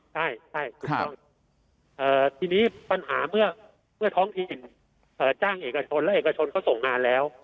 ใช่ใช่ครับเอ่อทีนี้ปัญหาเมื่อเมื่อท้องถิ่นเอ่อจ้างเอกชนและเอกชนเขาส่งมาแล้ว